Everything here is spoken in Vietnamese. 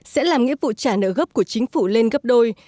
sẽ làm nghĩa vụ trả nợ gốc của chính phủ lên gấp đôi